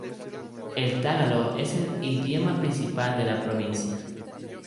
El tagalo es el idioma principal de la provincia.